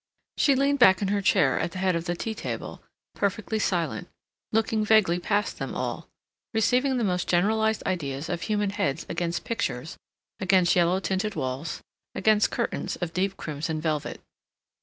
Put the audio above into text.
She leaned back in her chair at the head of the tea table, perfectly silent, looking vaguely past them all, receiving the most generalized ideas of human heads against pictures, against yellow tinted walls, against curtains of deep crimson velvet.